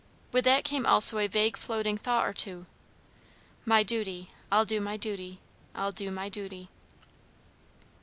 With that came also a vague floating thought or two. "My duty I'll do my duty I'll do my duty."